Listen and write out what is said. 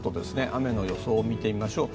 雨の予想を見てみましょう。